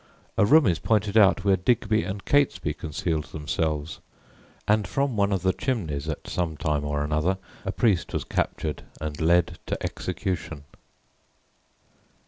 A room is pointed out where Digby and Catesby concealed themselves, and from one of the chimneys at some time or another a priest was captured and led to execution.